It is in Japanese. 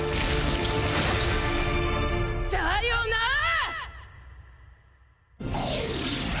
だよなぁ！